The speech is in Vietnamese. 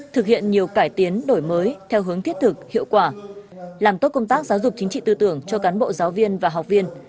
thực hiện nhiều cải tiến đổi mới theo hướng thiết thực hiệu quả làm tốt công tác giáo dục chính trị tư tưởng cho cán bộ giáo viên và học viên